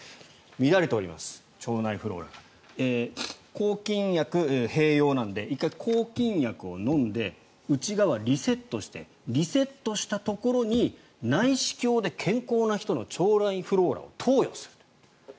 抗菌薬併用なので１回、抗菌薬を飲んで内側、リセットしてリセットしたところに内視鏡で健康な人の腸内フローラを投与する。